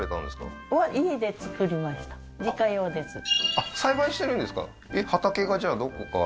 あっ栽培してるんですか？